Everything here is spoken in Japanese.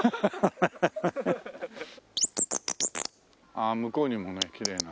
ああ向こうにもねきれいな。